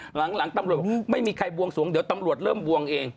หลังตำรวจบอกไม่มีใครบวงสวงเดี๋ยวตำรวจเริ่มบวงเอง